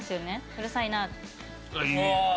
うるさいな。